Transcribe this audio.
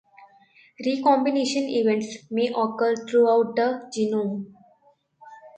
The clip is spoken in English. Recombination events may occur throughout the genome.